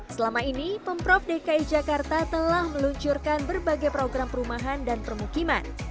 selama ini pemprov dki jakarta telah meluncurkan berbagai program perumahan dan permukiman